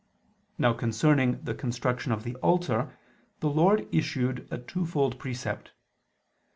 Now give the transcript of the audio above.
Now concerning the construction of the altar the Lord issued a twofold precept.